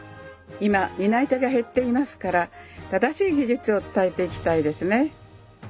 今担い手が減っていますから正しい技術を伝えていきたいですね。